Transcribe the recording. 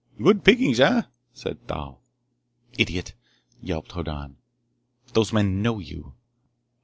"Good pickings, eh?" said Thal. "Idiot!" yelped Hoddan. "These men know you.